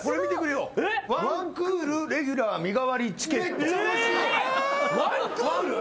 めっちゃ欲しい！